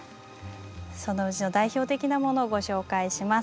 そのうちの代表的なものをご紹介します。